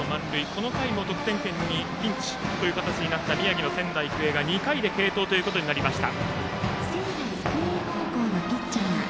この回も得点圏のピンチという形になった宮城の仙台育英が２回で継投となりました。